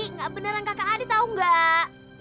nggak beneran kakak adi tahu nggak